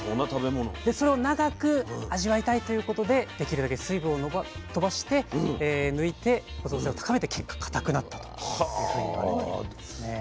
それを長く味わいたいということでできるだけ水分を飛ばして抜いて保存性を高めた結果固くなったというふうに言われてるんですね。